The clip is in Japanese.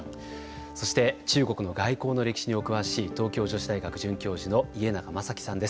そして中国の外交の歴史にお詳しい東京女子大学准教授の家永真幸さんです。